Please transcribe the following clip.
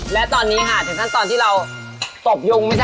และตอนนี้ค่ะถึงตอนที่เราตกยุ่งไม่ใช่